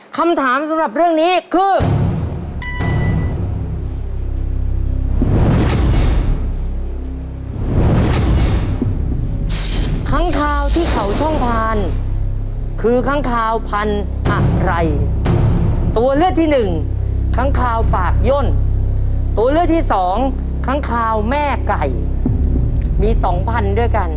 ค้างคาวที่เขาช่องพานคือค้างคาวพันอะไรตัวเลือดที่หนึ่งค้างคาวปากย่นตัวเลือดที่สองค้างคาวแม่ไก่มีสองพันด้วยกัน